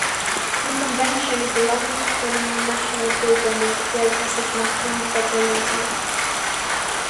The Convention is the longest-running national program of the Delta Sigma Phi Fraternity.